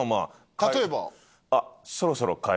例えば？